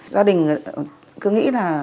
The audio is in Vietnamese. gia đình cứ nghĩ là